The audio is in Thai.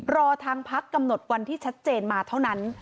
รอทางพักกำหนดวันที่ชัดเจนมาเท่านั้น